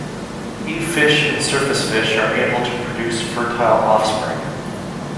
Cave fish and surface fish are able to produce fertile offspring.